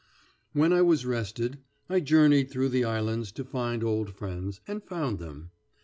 When I was rested, I journeyed through the islands to find old friends, and found them.